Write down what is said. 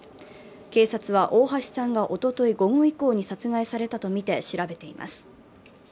警察は大橋さんがおととい午後以降に殺害されたとみて調べています。